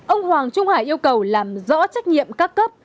ông hoàng trung hải yêu cầu làm rõ trách nhiệm các cấp